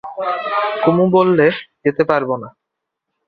কুমু বললে, যেতে পারব না।